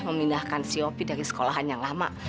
memindahkan si op dari sekolahan yang lama